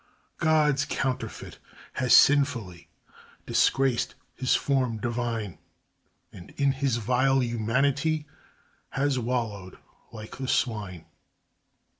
God's counterfeit has sinfully Disgraced his form divine, And in his vile humanity Has wallowed like the swine.